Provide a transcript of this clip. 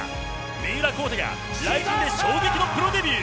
三浦孝太がＲＩＺＩＮで衝撃のプロデビュー。